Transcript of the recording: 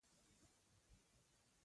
ميرويس خان وخندل: بېړه مه کوه.